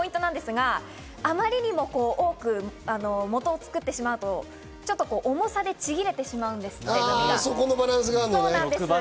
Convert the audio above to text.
ただあまりにも多く、もとを作ってしまうと重さでちぎれてしまうことがあるんです。